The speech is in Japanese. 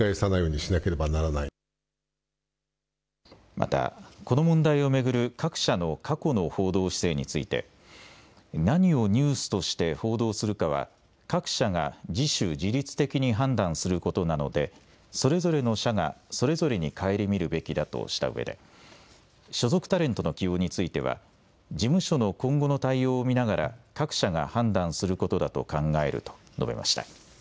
また、この問題を巡る各社の過去の報道姿勢について何をニュースとして報道するかは各社が自主自立的に判断することなのでそれぞれの社がそれぞれに省みるべきだとしたうえで所属タレントの起用については事務所の今後の対応を見ながら各社が判断することだと考えると述べました。